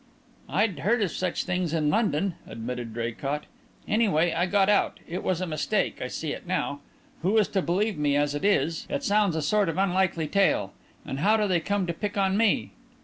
"I'd heard of such things in London," admitted Draycott. "Anyway, I got out. It was a mistake; I see it now. Who is to believe me as it is it sounds a sort of unlikely tale. And how do they come to pick on me?